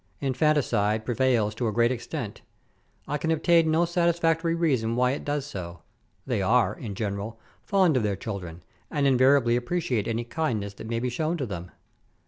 Infanticide prevails to a great extent. I can obtain no satis factory reason why it does so ; they are, in general, fond of their children, and invariably appreciate any kindness that may be shown to them.